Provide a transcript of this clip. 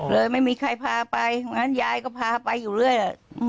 เลยไม่มีใครพาไปงั้นยายก็พาไปอยู่เรื่อย